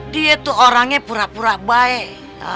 dia itu orangnya pura pura baik